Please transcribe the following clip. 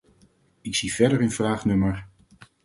Ik zie verder in vraag nr.